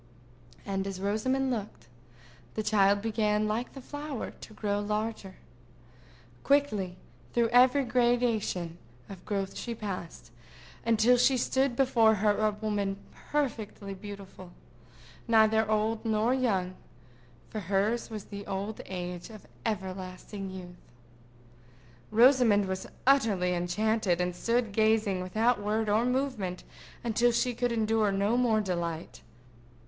And as Rosamond looked, the child began, like the flower, to grow larger. Quickly through every gradation of growth she passed, until she stood before her a woman perfectly beautiful, neither old nor young; for hers was the old age of everlasting youth. Rosamond was utterly enchanted, and stood gazing without word or movement until she could endure no more delight.